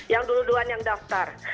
yang dulu duluan yang daftar